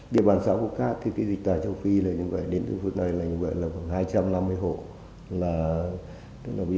địa bàn xã phúc cát dịch tàn châu phi đến phút này là khoảng hai trăm năm mươi hộ